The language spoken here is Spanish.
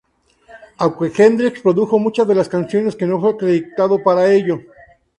Aunque Hendrix produjo muchas de las canciones, que no fue acreditado para ello.